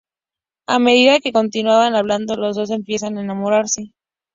A medida que continúan hablando, los dos empiezan a enamorarse.